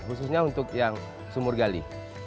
khususnya untuk yang sumur gali